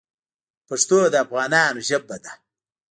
پښتو د افغانانو ژبه ده.